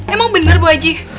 emang bener bu haji